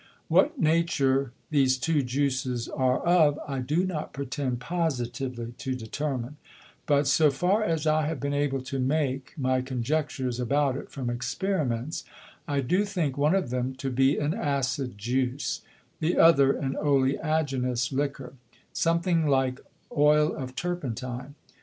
What Nature these two Juices are of, I do not pretend positively to determine; but so far as I have been able to make my Conjectures about it from Experiments, I do think one of them to be an acid Juice; the other an oleaginous Liquor, something like Oil of Turpentine.